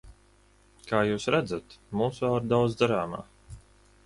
Kā jūs redzat, mums vēl ir daudz darāmā.